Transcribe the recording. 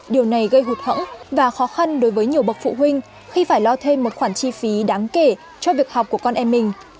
điều này gây hụt hẫng và khó khăn đối với nhiều bậc phụ huynh khi phải lo thêm một khoản chi phí đáng kể cho việc học của con em mình